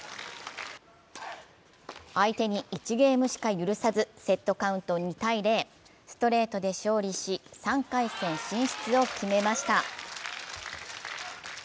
相手に１ゲームしか許さずセットカウント２−０、ストレートで勝利し、３回戦進出を決めました。